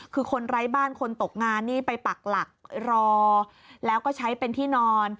คือคนไร้บ้านคนตกงานนี่ไปปักหลักรอแล้วก็ใช้เป็นที่นอน